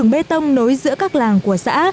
bê tông nối giữa các làng của xã